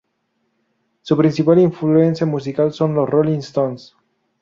Su principal influencia musical son los Rolling Stones.